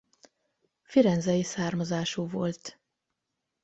Firenzei származású volt.